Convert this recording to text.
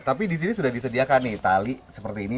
tapi di sini sudah disediakan nih tali seperti ini